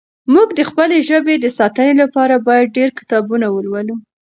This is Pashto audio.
موږ د خپلې ژبې د ساتنې لپاره باید ډېر کتابونه ولولو.